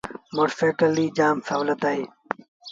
موٽر سآئيٚڪل ريٚ جآم سولت اهي۔